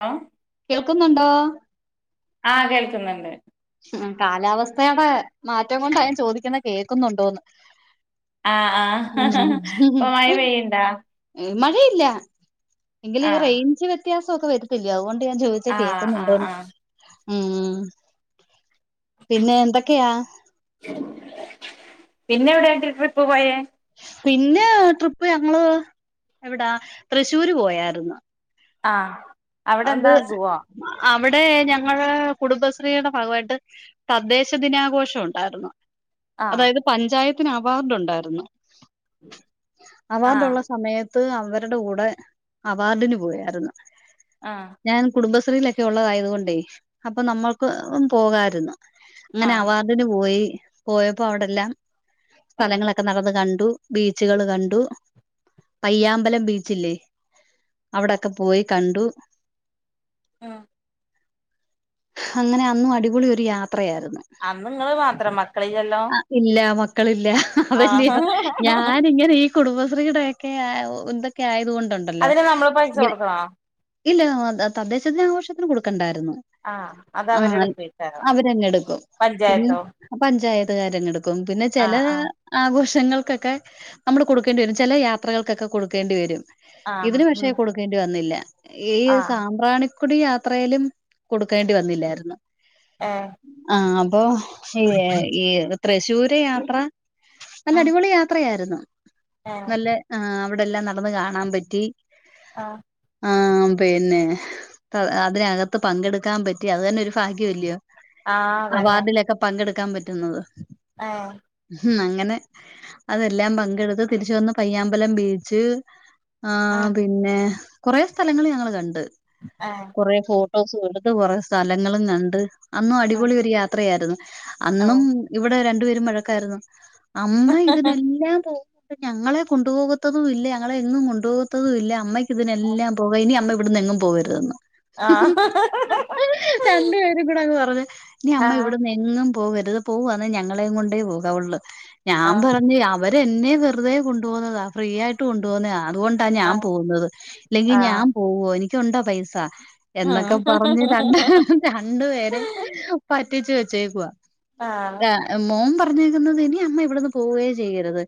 Law കേൾക്കുന്നുണ്ടോ ആഹ് കേൾക്ക്ന്ന്ണ്ട് ഉം കാലാവസ്ഥേടെ മാറ്റം കൊണ്ടാ ഞാൻ ചോദിക്കുന്നെ കേക്കുന്നുണ്ടോന്ന് ആഹ് ആഹ് ഇപ്പൊ മയ പെയ്യ്ൺണ്ടാ ഈ മഴയില്ലാ എങ്കിലും ഈ ആഹ് റേയ്ഞ്ച് വെത്യാസൊക്കെ വെരും ഇല്ലാ അത്കൊണ്ട് ഞാൻ ചോയിച്ചയാ ആഹ് ആഹ് കേക്കുന്നുണ്ടോന്ന് ആഹ് ഉം പിന്നെ എന്തക്കെയാ പിന്നെ എവ്ടെയാ ട്രിപ്പിപ്പൊ പോയേ പിന്നെ ട്രിപ്പ് ഞങ്ങള് എവിടാ തൃശ്ശൂര് പോയാരുന്ന് ആഹ് അവിടെ അത് എന്താ സുഖോ അഹ് അവിടെ ഞങ്ങള് കുടുംബശ്രീടെ ഭാഗവായിട്ട് തദ്ദേശദിനാഘോഷം ഒണ്ടാര്ന്ന് ആഹ് അതായത് പഞ്ചായത്തിന് അവാർഡൊണ്ടാര്ന്ന് ആഹ് അവാർഡൊള്ള സമയത്ത് ത്ത് അവര്ടെ കൂടെ അവാർഡിന് പോയാരുന്ന് ആഹ് ഞാൻ കുടുംബശ്രീലെക്കെ ഒള്ളതായതുകൊണ്ടേ അപ്പം നമ്മൾക്ക് പോകാരുന്ന് അങ്ങനെ ആഹ് അവാർഡിന് പോയി പോയപ്പോ അവടെല്ലാം സ്ഥലങ്ങളക്കെ നടന്ന് കണ്ടു ബീച്ച്കള് കണ്ടു പയ്യാമ്പലം ബീച്ചില്ലേ അവിടക്കെ പോയി കണ്ടു ആഹ് അങ്ങനെ അന്നും അടിപൊളി ഒര് യാത്രയാര്ന്ന് അന്ന്ങ്ങള് മാത്രം മക്കളില്ലല്ലോ ഇല്ല മക്കളില്ല ആഹ് അതല്ലയോ ഞാനിങ്ങനീ കുടുംബശ്രീടെക്കെ ആഹ് ഊ എന്തൊക്കെ ആയതുകൊണ്ടൊണ്ടല്ലോ അതിന് നമ്മള് പൈസ കൊട്ക്കണോ ഇല്ലാ തതദ്ദേശദിനാഘോഷത്തിന് കൊടുക്കണ്ടാരുന്നു ആഹ് അത് ആഹ് അവരുടെ പോയിക്കാരോ അവരങ്ങെടുക്കും പിന്നെ പഞ്ചായത്തോ പഞ്ചായത്ത്കാരങ്ങെടുക്കും പിന്നെ ആഹ് ചെലാ ആഹ് ആഘോഷങ്ങൾക്കക്കെ നമ്മള് കൊടുക്കേണ്ടി വരും ചെല യാത്രകൾക്കക്കെ കൊടുക്കേണ്ടി വരും ആഹ് ഇതിന് ഉം പക്ഷേ കൊടുക്കേണ്ടി വന്നില്ല ഈ ആഹ് സാമ്പ്രാണി കൊടി യാത്രേലും കൊടുക്കേണ്ടി വന്നില്ലാര്ന്ന് ഏഹ് ആഹ് അപ്പൊ ഏഹ് ഈ തൃശ്ശൂര് യാത്രാ ഉം നല്ലടിപൊളി യാത്രയാരുന്നു ഏഹ് നല്ല ആഹ് അവിടെല്ലാം നടന്ന്കാണാൻ പറ്റി ആഹ് ആം പിന്നെ അഹ് അതിനകത്ത് പങ്കെടുക്കാൻ പറ്റി അത് തന്നെ ഒരു ഭാഗ്യവല്ല്യോ ആഹ് അതന്നെ അവാർഡിലക്കെ പങ്കെടുക്കാൻ പറ്റുന്നത് ആഹ് ഹും അങ്ങനെ അതെല്ലാം പങ്കെടുത്ത് തിരിച്ച് വന്ന് പയ്യാമ്പലം ബീച്ച് ആഹ് പിന്നെ കൊറേ സ്ഥലങ്ങള് ഞങ്ങള് കണ്ട് ഏഹ് കൊറേ ഫോട്ടോസുമെടുത്ത് കൊറെ സ്ഥലങ്ങളും കണ്ട് അന്നും ഉം അടിപൊളിയൊരു യാത്രയാര്ന്ന് അന്നും ഇവിടെ രണ്ടു പേരും വഴക്കാരുന്നു അമ്മയിതിനെല്ലാം പോവും ന്ന്ട്ട് ഞങ്ങളെ കൊണ്ടുപോകത്തതുവില്ല ഞങ്ങളെയെങ്ങും കൊണ്ടുപോകത്തതുവില്ല അമ്മയ്ക്ക്‌ ഓഹ് എല്ലാം പോവേയ്നി അമ്മ ഇവിട്ന്നെങ്ങും പോകരുതെന്ന് ആഹ് രണ്ടുപേരുംകൂടങ്ങ് പറഞ്ഞ് ഇനിയമ്മ ആഹ് ഇവിടുന്നെങ്ങ് എങ്ങും പോവരുത് പോവാണേ ഞങ്ങളേം കൊണ്ടേ പോകാ വൊള്ളൂ ഞാ ആഹ് പറഞ്ഞു അ അവരെന്നെ വെർതെ കൊണ്ടുപോവുന്നതാ ഫ്രീയായിട്ടുകൊണ്ടു പോകുന്നാ അതുകൊണ്ടാ ഞാ ആഹ് പോവുന്നത് ഇഞ് ഞാ ആഹ് പോവ്വോ എനിക്കുണ്ടോപൈസാ ഉം എന്നൊക്കെ പറഞ്ഞ് രണ്ടു രണ്ടു പേരിം പറ്റിച്ചുവെച്ചേക്കുവാ ആഹ് മോം പറഞ്ഞേക്കുന്നത് ഇനി അമ്മയിവിടുന്ന് പോവ്വേ ചെയ്യരുത്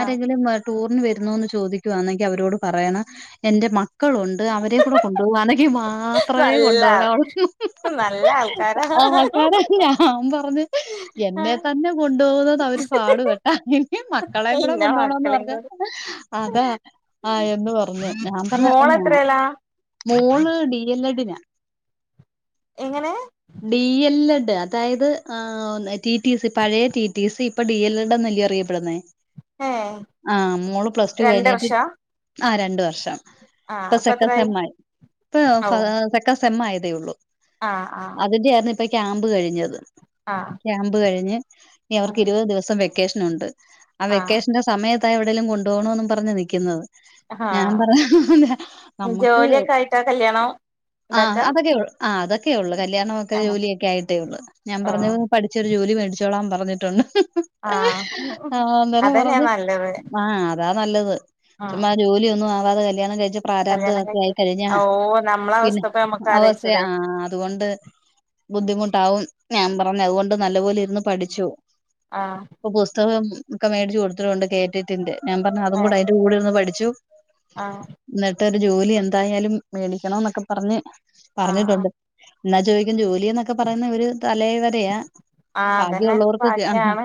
ആഹ് വ ടൂറിനുവരുന്നോന്നു ചോദിക്കുവാണെങ്കി അവരോടുപറയണം എന്റെ മക്കളുണ്ട് അവരെ കൂടെകൊണ്ടു പോവാണെങ്കി മാ മാത്രവേ നല്ല കൊണ്ടുപോകാ വൊള്ളെന്നു നല്ല ആൾക്കാരാ അവസാനം ഞാ പറഞ്ഞു എന്നെതന്നെ കൊണ്ടുപോവുന്നത് അവര് പാടുപെട്ടാ ഇനി മക്കളേം കൂടി ഇന്ന കൊണ്ടു പോണോന്നു മക്കളും പറഞ്ഞാ കൂടി അതാ ആഹ് എന്നുപറഞ്ഞു ഞാൻ പറഞ്ഞപ്പം ഞാ മോളെത്രേലാ മോള് ഡി എല്ല് എ ഡിനാ എങ്ങനെ ഡി എല്ല് എഡ് അതായത് ടി ടി സി പഴയ ടി ടി സി ഇപ്പ ഡി എല്ല് എഡ് എന്നല്ലേ അറിയപ്പെടുന്നേ ഏഹ് ആഹ്‌ മോള് പ്ലസ്ടു രണ്ട് കഴിഞ്ഞീട്ട് വർഷാ ആഹ് രണ്ട്‌വർഷം ആഹ് ഇപ്പ അപ്പൊ സെക്കൻ എത്രായി സെമ്മായി ഇപ്പ ഓ ഫ സെക്കൻ സെമ്മായതേയൊള്ളൂ ആഹ് ആഹ് അതിന്റെയാര്ന്ന് ഇപ്പ ക്യാമ്പ്കഴിഞ്ഞത് ആഹ് ക്യാബ് കഴിഞ് ഇനിഅവർക്ക് ഇരുവതു ദിവസം വെക്കേഷ്നുണ്ട് ആ ആഹ് വെക്കേഷ്ന്റെ സ സമയത്താ എവെടേലും കൊണ്ടു പോണോന്നും പറഞ് നിക്ക്ന്നത് ആഹ് നമ്മക്ക് ജോലിയൊക്കെ ആയിട്ടാ കല്യാണം ആഹ് ഇണ്ടാക്കാ അതൊക്കെയൊ ആഹ് അതൊക്കെയൊള്ളൂ കല്യാണമൊക്കെ ജോലിയൊക്കെയായിട്ടേയെള്ളൂ ഞാ ഓ പറഞ്ഞത് പഠിച്ചൊരു ജോലി മേടിച്ചോളാ പറഞ്ഞിട്ടുണ്ട് ആഹ് ആഹ് അന്നേരം അതന്നെയാ പറഞ് നല്ലത് ആഹ് അതാ ഉം നല്ലത്ചുമ്മാ ജോലിയൊന്നുമാവാതെ കല്യാണം കഴിച്ച പ്രാരാബ്ധ കല്യാണം വൊക്കെയായി കഴിച്ചിട്ട് കഴിഞ്ഞാ ഓ നമ്മള പിന്നെ അവസ്ഥപ്പ നമ്മക്ക് അവസ്ഥയാ ആലോചിച്ചൂടെ ആഹ് അത്കൊണ്ട് ബുദ്ധിമുട്ടാവും ഞാ പറഞ്ഞു അതുകൊണ്ടു നല്ലപോലെഇരുന്ന് പഠിച്ചു ആഹ് ഇപ്പ പുസ്തകം ക്ക മേടിച്ചുകൊടുത്തിട്ടുണ്ട് കേറ്റേട്ടിന്റെ ഞാൻ പറഞ്ഞു അതുംകൂടെ ഏഹ് അതിന്റെ കൂടെയിരുന്ന് പഠിച്ചു ആഹ് ന്ന്ട്ട് ഒരു ജോലി എന്തായാലും മേടിക്കണോനൊക്ക പറഞ്ഞ് ആഹ് ആഹ് പറഞ്ഞിട്ടുണ്ട് ന്നാ ചോയിക്കും ജോലിന്നൊക്കെ പറയുന്ന ഒരു തലേവരയാ ആഹ് അതന്നെ ഭാഗ്യവുള്ളവർക്ക് കി ആഹ് ഭാഗ്യാണ്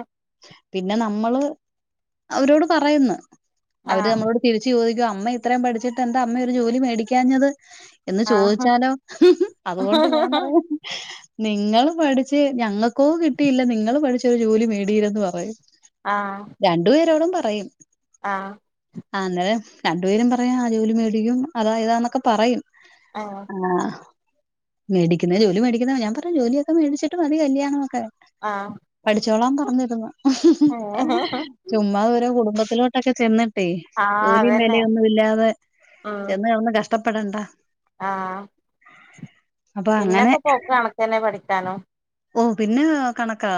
പിന്നെ നമ്മള്‌ അവരോടു പറയുന്ന് അവര് ആഹ് നമ്മളോട് തിരിച്ചു ചോദിക്കും അമ്മയിത്രം പഠിച്ചിട്ടെന്താ അമ്മയൊരു ജോലി മേടിക്കാഞ്ഞത് എന്ന് ആഹ് ചോയിച്ചാലോ അത്കൊണ്ട് ഞാൻ പറയും നിങ്ങള് പഠിച്ച് ഞങ്ങക്കോ കിട്ടിയില്ല നിങ്ങള് പഠിച്ച് ഒരു ജോലി മേടിയില്ലന്ന് പറയും ആഹ് രണ്ടു പേരോടും പറയും ആഹ് അന്നേരം രണ്ട് പേരും പറയും ആ ജോലി മേടിക്കും അതാ ഇതാന്നൊക്ക പറയും ആഹ് ആഹ് മേടിക്കുന്ന ജോലി മേടിക്കുന്ന ഞാൻ പറയും ജോലിയൊക്കെ മേടിച്ചിട്ട് മതി കല്യാണം ഓക്കെ ആഹ്‌. പഠിച്ചോളാം പറഞ്ഞിരുന്നു. ഏഹ്‌ ചുമ്മാ ഓരോ കുടുംബത്തിലോട്ടൊക്കെ ചെന്ന്ട്ടേയ് ജോലിയും അതന്നെ വേലയൊന്നും ഇല്ലാ ചെന്ന് കേടന്ന് കഷ്ട്ടപ്പെടണ്ടാ. ആഹ്‌. [inaudible] അങ്ങനെ പിന്നൊക്കെ പോക്ക് കണക്കന്നെ പഠിക്കാനും. ഓഹ്‌ പിന്നെ കണക്കാ.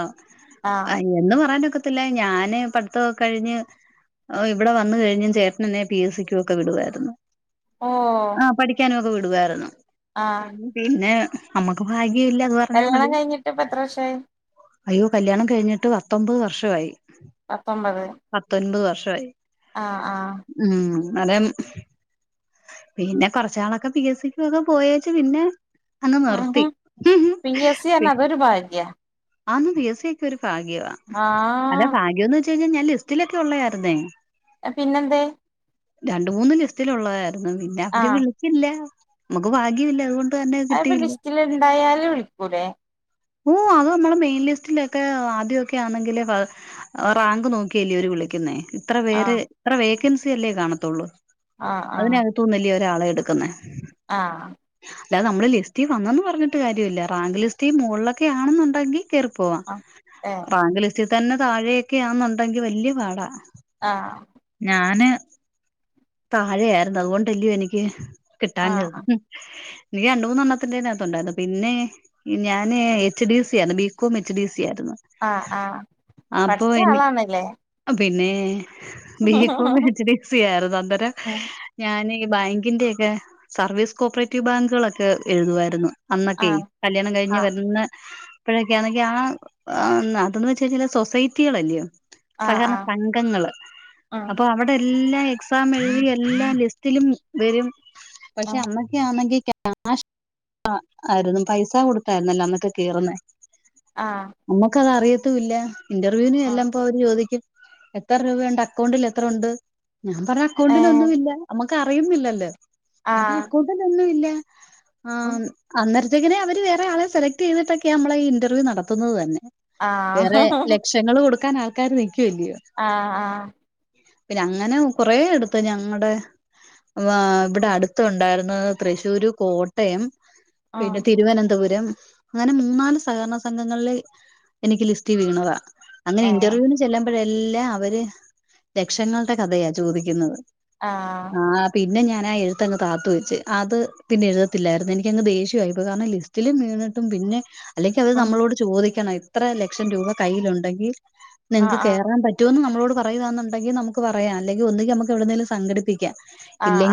ആഹ്‌. എന്ന് പറയാൻ ഒക്കത്തില്ല, ഞാന് പഠിത്ത ഒക്കെ കഴിഞ്ഞ് ഓ ഇവടെ വന്ന് കഴിഞ്ഞ് ചേട്ട നേന്നേ പി. എ. എസ്സിക്കൊ ക്കൊ വിടുവായിരുന്നു, ഓ ആഹ്‌ പഠിക്കാനൊക്കെ വിടുവായിരുന്നു. ആഹ് പിന്നെ അമ്മക്ക് ഭാഗ്യയില്ല. കല്യാണം കഴിഞ്ഞിട്ട് ഇപ്പൊ എത്ര വർഷായി? അയ്യോ കല്യാണം കഴിഞ്ഞിട്ട് പത്തൊമ്പത് വർഷവായി. പത്തൊമ്പത് പത്തൊൻപത് വർഷായി. ആഹ്‌ ആഹ്‌. ഉം. പിന്നെ കൊർച്ച് നാളൊക്കെ പി. എസ്. സിക്ക് ഒക്കെ പോയേച്ച് പിന്നെ അങ്ങ് നിർത്തി ആഹ് എസ് സി പി പറഞ്ഞ അതൊരു ഭാഗ്യ ആന്ന് പി. എസ്. സി ഒക്ക ഒരു ഭാഗ്യവാ, അല്ല ആഹ് ഭാഗ്യം എന്ന് വെച്ച് കഴിഞ്ഞാ ഞാൻ ലിസ്റ്റിലൊക്കെ ഉള്ളയാരുന്നേ. പിന്നെന്തേ? രണ്ട് മൂന്ന് ലിസ്റ്റിൽ ഉള്ളതായിരുന്നു പിന്നെ അവര് ആഹ് വിളിച്ചില്ല നമ്മുക്ക് ഭാഗ്യല്ല അതുകൊ അയ് അപ്പൊ ലിസ്റ്റില് ണ്ടായാല് വിളിക്കൂലേ? ഓഹ്‌ അത് മ്മളെ മെയിൻ ലിസ്റ്റിലൊക്കെ ആദ്യക്കെ ആണെങ്കിലെ വ റാങ്ക് നോക്കിയല്ലേ അവര് വിളിക്കുന്നേ. ഇത്ര പേര് ആഹ് ത്ര വേക്കൻസി അല്ലേ കാണതൊള്ളൂ ആഹ് അതിനക തുന്നല്ലേ ഒരാളെ എടുക്കുന്നെ. ആഹ്‌. അല്ലാതെ നമ്മള് ലിസ്റ്റി വന്ന ന്ന് പറഞ്ഞിട്ട് കാര്യല്ല റാങ്ക് ലിസ്റ്റി മുകൾലൊക്കെ ആണെന്നുണ്ടെങ്കി കേറിപ്പോവാം, ആഹ് ഏഹ് റാങ്ക് ലിസ്റ്റിൽ തന്നെ താഴെയൊക്കെയാണെന്നുണ്ടെങ്കി വല്ല്യയ പാടാ. ആഹ്‌. ഞാന് താഴെ ആരുന്നു അതുകൊണ്ടല്ല്യയോ എനിക്ക് കിട്ടാഞ്ഞത്. ആഹ് നീ രണ്ട് മൂന്നെണ്ണത്തിന്റെ തിനകത്ത് ഉണ്ടായിരുന്നു പിന്നെ ഞാന് എച്ച്. ഡി. സി ആണ് ബികോം എച്ച്. ഡി. സി ആയിരുന്നു. ആഹ്‌ ആഹ്‌ പഠിച്ച ആളാണല്ലേ. ഓ പിന്നെ ബീക്കോം എച്. ഡി. സി ആയിരുന്നു അന്നേരം ഉം ഞാനെയ് ബാങ്കിന്റെ ഒക്കെ സർവീസ് കോഓപ്പറേറ്റീവ് ബാങ്കുകളൊക്കെ എഴുതുവായിരുന്നു. അന്നൊക്കെ ആഹ് കല്യാണം കഴിഞ്ഞ് ആഹ് വരുന്ന ഇപ്പോഴൊക്കെയാണെങ്കി ആഹ്‌ അതെന്ന് വെച് കഴിഞ്ഞാല് സൊസൈറ്റികളല്ലിയോ. ആഹ് സഹകരണ ആഹ് സംഘങ്ങള് ഉം അപ്പൊ അവടെ എല്ലാ എക്സാം എഴ്തി എല്ലാ ലിസ്റ്റിലും വരും പക്ഷെ ഉം അമ്മ ആണെങ്കി ക്യാഷ് [unintelligible] ആയിരുന്നു പൈസ കൊടുത്തായിരുന്നല്ലോ അന്നൊക്കെ കേറുന്നേ. ആഹ് നമ്മുക്ക് അത് അറിയത്തും ഇല്ല ഇന്റർവ്യൂന് ഉം ചെല്ലുമ്പോ ചോദിക്കും. എത്ര രൂപ ഉണ്ട്? അക്കൗണ്ടിൽ എത്ര ഉണ്ട്? ഞാൻ പറഞ്ഞ അക്കൗണ്ടില് ഏഹ് ഒന്നും ഇല്ല. നമ്മക്ക് അറിയുന്നില്ലല്ലോ. അപ്പോ ആഹ് അക്കൗണ്ടിലൊന്നുംല്ല. ഉം ആഹ് അന്നേരത്തെക്കന്നേ അവര് വേറെ ആളെ സെലക്ട് ചെയ്തിട്ടൊക്കെയാ നമ്മളെ ഈ ഇന്റർവ്യൂ നടത്തുന്നത് തന്നെ ആഹ് വേറെ ലക്ഷങ്ങള് കൊടുക്കാൻ ആൾക്കാര് നിക്കുവല്ലയോ ആഹ് ആഹ് അങ്ങനെ കൊറെ എടുത്ത് ഞങ്ങളടെ വാ ഇവടെ അടുത്ത ഉണ്ടായിരുന്നത് തൃശ്ശൂര്, കോട്ടയം ഉം പിന്നെ തിരുവനന്തപുരം അങ്ങനെ മൂന്നാല് സഹകരണ സംഘങ്ങളില് എനിക്ക് ലിസ്റ്റ് വീണതാ. അങ്ങനെ ഏഹ് ഇന്റർവ്യൂന് ചെല്ലുമ്പഴെല്ലാം അവര് ലക്ഷങ്ങളുടെ കഥയാ ചോദിക്കുന്നത് ആഹ് ആഹ് പിന്നെ ഞാൻ ആ എഴുത്ത്ങ്ങ് താത്തു വെച്ച്. അത് പിന്നെ എഴുതത്തില്ലായിരുന്നു. എനിക്കങ്ങ് ദേഷ്യവായി ഇപ്പ കാരണം ലി റ്റില് മീണിട്ടും പിന്നെ ക്കത് ഉം നമ്മളോട് ചോദിക്കണം ഇത്ര ലക്ഷം രൂപ കയ്ലുണ്ടെങ്കി നിങ്ങക്ക് ആഹ് ആഹ് കേറാൻ പ റ്റൂന്ന് നമ്മളോട് പറയുവാന്നുണ്ടെങ്കി നമുക്ക് പറയാ. അല്ലെങ്കി ഒന്നുങ്കി നമുക്ക് എവിടുന്നേലും സംഘടിപ്പിക്കാ.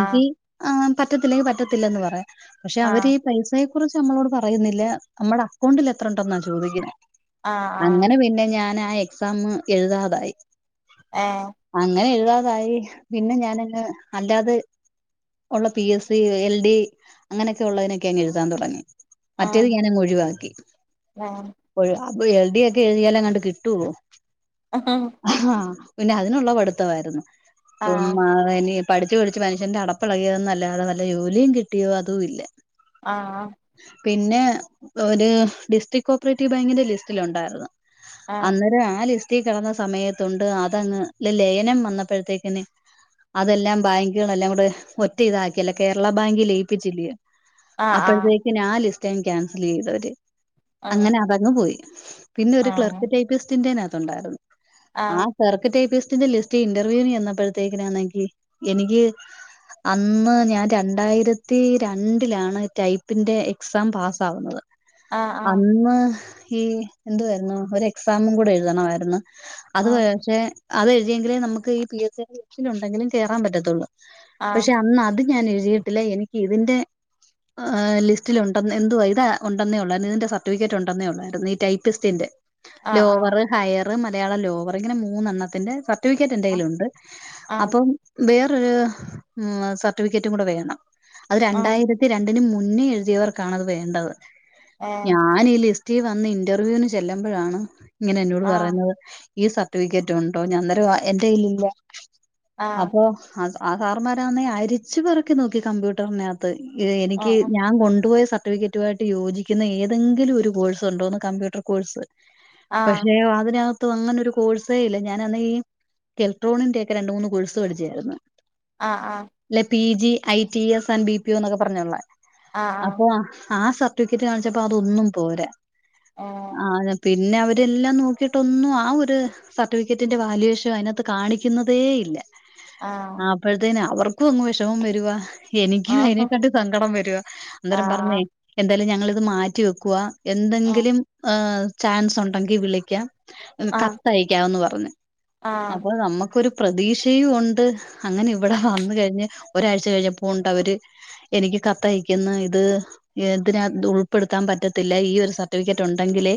ആഹ് ആഹ് പറ്റത്തില്ലെങ്കി പറ്റത്തില്ലന്ന് പറയാ പക്ഷേ അവര് ആഹ് പൈസയെ കുറിച്ച് നമ്മളോട് പറയുന്നില്ല. നമ്മടെ അക്കൗണ്ടിൽ എത്ര ഉണ്ടന്നാ ചോദിക്കണേ ആഹ് ആഹ് ആഹ് അങ്ങനെ പിന്നെ ഞാനാ എക്സാമ് എഴുതാതായി ആഹ് അങ്ങനെ എഴുതാതായി പിന്നെ ഞാനങ്ങ് അല്ലാത് ഉള്ള P S C, L D അങ്ങനെയൊക്കെ ഉള്ളതിനൊക്കെ അങ്ങ് എഴുതാൻ തൊടങ്ങി മറ്റേത് ഉം ഞാനങ്ങ് ഒഴിവാക്കി ഏഹ് അപ്പോഴ് എൽ ഡി ഒക്കെ എഴുതിയാല് അങ്ങട് കിട്ടുവോ ആഹ് അഹ് ആഹ് പിന്നെ അതിനുള്ള പഠിത്തവായിരുന്നു. ആഹ് ചുമ്മാ അവനി പഠിച്ച് പഠിച്ച് മനുഷ്യന്റെ അടപ്പിളകിയതെന്നല്ലാതെ വല്ല ജോലിം കിട്ടിയോ അതും ഇല്ല. ആഹ് പിന്നെ ഒര് ഡിസ്ട്രിക്ട് കോപ്പറേറ്റീവ് ബാങ്കിന്റെ ലിസ്റ്റില് ഒണ്ടായിരുന്നു ആഹ് അന്നേരം ആ ലിസ്റ്റി കിടന്ന സമയത്തുണ്ട് അതങ്ങ് ലലേ നം വന്നപ്പോഴത്തേക്കിന് അതെല്ലാം ബാങ്കുകളെല്ലാം കൂടെ ഒറ്റ ഇതാക്കിയല്ല കേരള ബാങ്കി ലയിപ്പിച്ചില്ല്യോ? ആഹ് ആഹ് അപ്പഴത്തേക്കിന് ആ ലിസ്റ്റ് അങ്ങ് ക്യാൻസലീതവര് ഉം അങ്ങനെ അതങ്ങ് പോയി. പിന്നെ ഒരു ആഹ് ക്ലർക്ക് ടൈപ്പിസ്റ്റിൻറേനകത്ത് ഉണ്ടായിരുന്നു. ആ ആഹ് കെർക്ക് ടൈപ്പിസ്റ്റിന്റെ ലിസ് റ്റ് ഇന്റർവ്യൂന് ചെന്നപ്പോഴത്തേക്കിനാണെങ്കി എനിക്ക് അന്ന് ഞാൻ രണ്ടായിരത്തി രണ്ടിലാണ് ടൈപ്പിന്റെ എക്സാം പാസ് ആവുന്നത്. ആഹ് അന്ന് ഈ എന്തുവായിരുന്നു? ഒരു എക്സാമും കൂടെ എഴുതണമായിരുന്നു. അത് ആഹ് വരെ അത് എങ്കിലെ നമ്മക്ക് ഈ പി എസ് സി ടെ ലിസ്റ്റിലുണ്ടെങ്കിലും കേറാൻ പറ്റത്തൊള്ളൂ. ആഹ് പക്ഷേ അന്ന് അത് ഞാൻ എഴുതിയിട്ടില്ല. എനിക്ക് ഇതിന്റെ അഹ് ലിസ്റ്റിലുണ്ടന്ന് എന്തുവാ ഇതാ ഒണ്ടെന്നേ ഒള്ളായിരുന്നു. ഇതിന്റെ സർട്ടിഫിക്കറ്റ് ഒണ്ടെന്നേ ഒള്ളായിരുന്നു. ഈ ടൈപിസ്റ്റിന്റെ ആഹ് ലോവറ് ഹയറ് മലയാളം ലോവർ ഇങ്ങനെ മൂന്നെണ്ണത്തിന്റെ സ ർട്ടിഫിക്കറ്റ് എന്റെ ആഹ് കയ്യിലുണ്ട്. ആഹ് ആഹ് അപ്പം വേറൊരു ഏഹ് സർട്ടിഫിക്കറ്റും കൂടെ വേണം അത് ആഹ് രണ്ടായിരത്തി രണ്ടിന് മുന്നേ എഴുതിയവർക്കാണത് വേണ്ടത് ഏഹ് ഞാന് ഇ ലിസ് റ്റി വന്ന് ഇന്റർവ്യൂവിന് ചെല്ലുമ്പോഴാണ് ഇങ്ങനെ എന്നോട് ആഹ് പറയുന്നത് ഈ സർട്ടിഫിക്കറ്റ് ഉണ്ടോ ഞാൻ അനേരം എന്റെ കയ്യില് ഇല്ല ആഹ് അപ്പൊ ആ സാറന്മാരാന്നെ അരിച്ചു പെറുക്കി നോക്കി കമ്പ്യൂട്ടറിനെക ത്ത് എനിക്ക് ആഹ് ഞാൻ കൊണ്ടുപോയ സർട്ടിഫിക്കറ്റ് റ്റുമായിട്ട് യോജിക്കുന്ന ഏതെങ്കിലും ഒരു കോഴ്സ് ഉണ്ടോന്ന് കമ്പ്യൂട്ടർ കോഴ്സ് ആഹ് പക്ഷെ അതിനകത് അങ്ങനെ ഒരു കോഴ്സേ ഇല്ല ഞാനന്ന് ഈ ഇലട്രോണിന്റെ ഒക്കെ രണ്ട് മൂന്ന് കോഴസ് പടിച്ചയായിരുന്നു ആഹ് ആഹ് അല്ലെ P G I T S and B പു എന്നൊക്കെ പറഞ്ഞോുള്ള. ആഹ് ആഹ് അപ്പൊ ആ സ സർട്ടിഫിക്കറ്റ് കാണിച്ചപ്പോ ഒനും പോരാ ആഹ് ആ പീ പിന്നെ അവരെല്ലാം നോക്കിയിട്ടൊന്നും ആ ഒരു സർട്ടിഫിക്കറ്റിന്റെ വാലുവേഷൻ അതിനകത്ത് കാണിക്കുന്നതേ ഇല്ല. ആഹ് അപ്പോഴത്തേന് അവർക്കും അങ്ങ് വിഷമം വരുവാ എനിക്കും ആഹ് ആഹ് അതിനെക്കാണ്ടിം സങ്കടം വരുവാ അന്നേരം പറഞ്ഞേ ആഹ് എന്തായാലും ഞങ്ങളിത് മാറ്റി വെക്കുക. എന്തെങ്കിലും ചാൻസ് ഉണ്ടെങ്കിൽ വിളിക്കാം ആഹ് കത്തയക്കാം എന്ന് പറഞ്ഞ് ആഹ് അപ്പൊ നമുക്കരു പ്രതീക്ഷയും ഉണ്ട്. അങ്ങനെ ഇവിടെ വന്ന് കഴിഞ്ഞ് ഒരാഴ്ച കഴിഞ്ഞപ്പോ ഉണ്ട് ഞവര്. എനിക്ക് കത്തയക്കുന്ന ഇത്. ഇതിനന്ത് ഉൾപ്പെടുത്താൻ പറ്റത്തില്ല ഈ ഒരു സർട്ടിഫിക്കറ്റ് ഉണ്ടെങ്കിലേ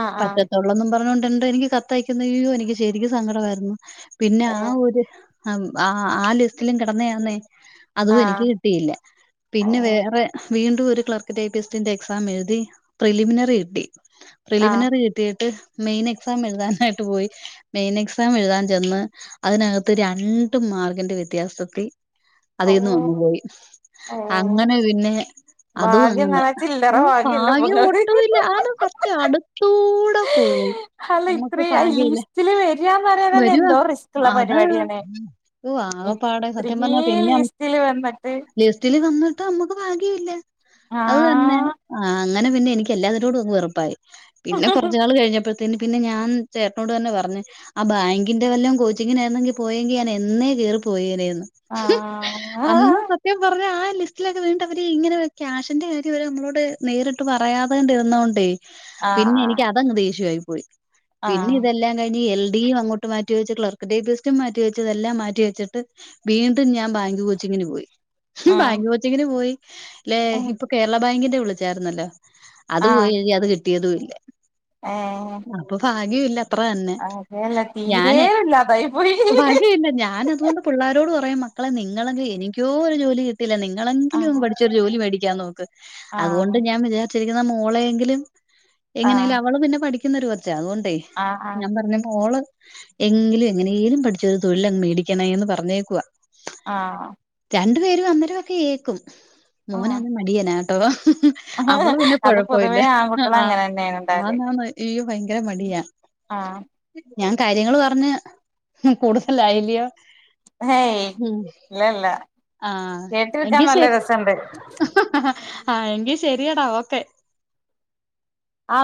ആഹ് ആഹ് പറ്റത്തുള്ളൊന്നും പറഞ്ഞൊണ്ട് എന്ത എനിക്ക് കത്തയക്കുന്ന്യോ എനിക്ക് ശരിക്കും സങ്കടമായിരുന്നു പിന്നെ ആ ഏഹ് ഒരു ആ ആ ലിസ്റ്റിലും കിടന്ന ആന്നേ അതും എനിക്ക് ആഹ് കിട്ടിയില്ല പിന്നെ ഏഹ് വേറെ വീണ്ടും ഒരു ക്ലർക്കി ഐ പി എസ്റ്റിന്റെ എക്സാം എഴുതി പ്രിലിമിനറി കിട്ടി. ആഹ് പ്രിലിമിനറി കിട്ടിയിട്ട് മെയിൻ എക്സാം എഴുതാനായിട്ട് പോയി. മെയിൻ എക്സാം എഴുതാൻ ചെന്ന് അതിനകത്ത് രണ്ടു മാർക്കിന്റെ വ്യത്യാസത്തിൽ. അതിൽന്ന് വന്നു ഓഹ് പോയി ഏഹ് അങ്ങനെ പിന്നെ. അതും ഭാഗ്യം ന്ന് അങ്ങന്ന് പറഞ്ഞാ ചില്ലറ ഒരു ഭാഗ്യല്ല ഇപ്പൊ ഭാഗ്യം ഇങ്ങക്ക് ഒട്ടും ഇല്ല അത് സത്യ അടുത്തൂടെ പോയി. അല്ല നമ്മക്ക് ഇത്രയും ഭാഗ്യം ഇല്ല. ലിസ്റ്റില് വരാന്ന് പറയാൻ തന്നെ വരുവാ എന്തോ റിസ്ക്ള്ള അതാണ് പരിപാടിയാണ് ഓ ആകപ്പാടെ സത്യം പറഞ്ഞാ പിന്നെ റ്റ്ല് വന്നിട്ട് ലിസ്റ്റില് വന്നിട്ട് നമ്മുക്ക് ഭാഗ്യ ഇല്ല ആ അത് തന്നെ. ആഹ് അങ്ങനെ പിന്നെ എനിക്ക് എല്ലാ വരോടും വെറുപ്പായി. പിന്നെ കുറച്ച് നാൾ കഴിഞ്ഞപ്പോ പിന്നെ പിന്നെ ഞൻ ചേട്ടനോട് തന്നെ പറഞ്ഞു പറഞ്ഞഞ് ആ ബാങ്കിന്റെ വല്ലോ കോച്ചിങ്ങിനെ ആണൊങ്കി പോയെങ്കിൽ ഞാൻ എന്നെ കേയറി പോയേനോ. ആഹ് ആഹ് ആ അന്ന് സത്യം പറഞ്ഞ ആ ലിസ്റ്റിലൊക്കെ വീണ്ട് അവര് ഇങ്ങനെ ക്യാഷിന്റെ കാര്യം അവര് നമ്മളോട്. നേരിട്ട് പറയാതണ്ടിരുന്നോണ്ടേ ആ പിന്നെ എനിക്ക് അതങ്ങ് ദേഷ്യമായി പോയി. ആ പിന്നെ ഇതൊം കിഞ്ഞ് എൽ ഡിയും അങ്ങോട്ട് മാറ്റിവ വെച്ച് ക്ലർക്ക് ഡഫീസ മാറ്റിവെച്ച് ഇതെല്ലാം മാറ്റിവച്ചിട്ട്. വീണ്ടും ഞാൻ ബാങ്ക് കൊച്ചിങ്ങിന് പോയി. ആ ബാങ്ക് കൊച്ചിങ്ങിന് പോയി ല്ലെ ഇപ്പൊ കേരള ബാങ്കിന്റെ വിളിച്ചായിരുന്നല്ലോ അത് പോയി നോക്കി അത് കിട്ടിയതും ഇല്ല ഏഹ് അപ്പൊ ഭാഗ്യം ഇല്ല അത്ര തന്നെ തീരെ ഞാന് ഇല്ലാതായി പോയി ഭാഗ്യ ഇല്ല ഞൻ അതുകൊണ്ട് പുള്ളാരരോട് പറയും മക്കളെ നിങ്ങളെങ്കിലും എനിക്കോ ഒരു ജോലി കിട്ടല്ല ആ നിങ്ങളെങ്കിലും പഠിച്ച ജോലി മേടിക്യാനോക്ക് ആ അതുകൊണ്ട് ഞാൻ വിജാര്ച്ചിരിക്കുന്ന മോളെങ്കിലും ആ എങ്ങനെങ്കിലു അവള് പിന്നെ പഠിക്യുന്നൊരു കൊച്ചാ അത്കൊണ്ടേയ് ആഹ് അഹ് പർഞ്ഞപ്പോള് എങ്കിലു എങ്ങനെലും പഠിച്ചൊരു തൊഴിലഅങ്ങ് മേടിക്യ നേന്ന് പറഞ്ഞേക്കുവാ ആഹ് രണ്ട് പേരും അന്നേരവൊക്കെ ഏക്കും ആ മോനന്ന് മടിയനാട്ടോ അവള് പിന്നെ അത് കൊഴപൊല്ല പൊതുവേ അഹ് ആൺകുട്ടികൾ ആഹ് അങ്ങനെ തന്നെയാണ് ഉണ്ടാവല് ആന്നാന്ന് ഈ ഭയങ്കര മടിയാ ആഹ് ഞാൻ കാര്യങ്ങള് പർഞ്ഞ് ഹും കൂടുതലായില്യോ ഹേയ് ല്ല ല്ല ആഹ് എങ്കി കേട്ടിരിക്കാൻനല്ല ശരി രസണ്ട് ആഹ് എങ്കി ശെരിയെടാ ഓക്കെ ആ